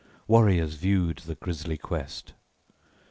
Warriors viewed the grisly guest.